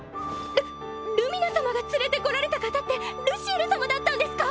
ルルミナ様が連れてこられた方ってルシエル様だったんですか？